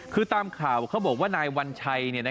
คือตามข่าวเขาบอกว่านายวัญชัย